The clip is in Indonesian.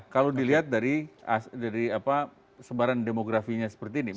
kalau dilihat dari sebaran demografinya seperti ini